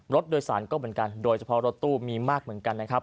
รถโดยสารก็เหมือนกันโดยเฉพาะรถตู้มีมากเหมือนกันนะครับ